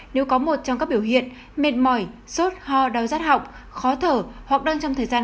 nếu có một trong các biểu hiện mệt mỏi sốt ho đau rắt họng khó thở hoặc đang trong thời gian